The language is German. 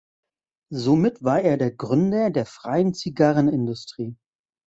Somit war er der „Gründer der freien Zigarrenindustrie“.